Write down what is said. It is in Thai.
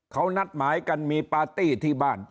เขานัดหมายกันมีปาร์ตี้ที่บ้าน